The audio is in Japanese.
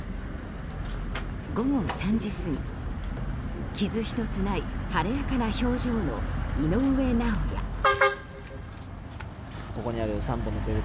午後３時過ぎ傷一つない晴れやかな表情の井上尚弥選手。